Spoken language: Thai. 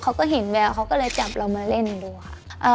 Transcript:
เขาก็เห็นแววเขาก็เลยจับเรามาเล่นดูค่ะ